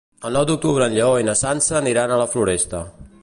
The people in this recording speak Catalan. El nou d'octubre en Lleó i na Sança aniran a la Floresta.